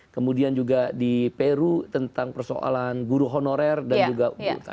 kemudian juga di peru tentang persoalan guru honorer dan juga guru